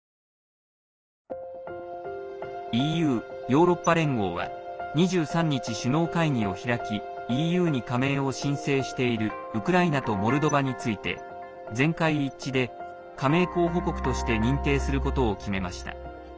ＥＵ＝ヨーロッパ連合は２３日、首脳会議を開きＥＵに加盟を申請しているウクライナとモルドバについて全会一致で加盟候補国として認定することを決めました。